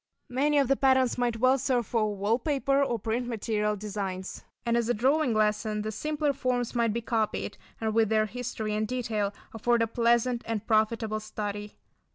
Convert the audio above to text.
Many of the patterns might well serve for wall paper or print material designs. And as a drawing lesson, the simpler forms might be copied and with their history and detail, afford a pleasant and profitable study.